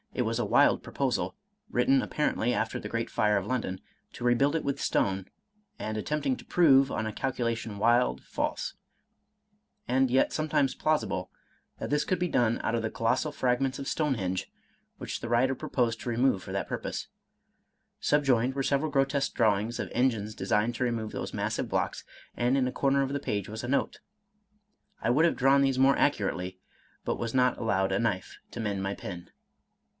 It was a wild proposal (written apparently after the great fire of London) to rebuild it with stone, and at tempting to prove, on a calculation wild, false; and yet sometimes plausible, that this could be done out of the colossal fragments of Stonehenge, which the writer pro posed to remove for that purpose. Subjoined were several grotesque drawings of engines designed to remove those massive blocks, and in a corner of the page was a note, —" I would have drawn these more accurately, but was not allowed a knife to mend my pen."